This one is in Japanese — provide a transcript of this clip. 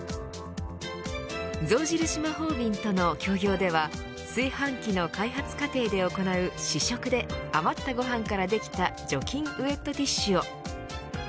象印マホービンとの協業では炊飯器の開発過程で行う試食で余ったご飯からできた除菌ウエットティッシュを。